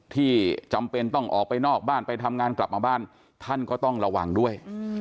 ท่านก็ต้องระวังด้วย